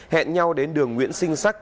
hẹn nhau đến đường nguyễn sinh sắc